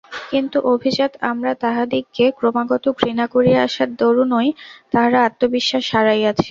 কিন্তু অভিজাত আমরা তাহাদিগকে ক্রমাগত ঘৃণা করিয়া আসার দরুনই তাহারা আত্মবিশ্বাস হারাইয়াছে।